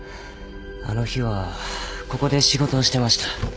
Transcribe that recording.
あの日はここで仕事をしてました。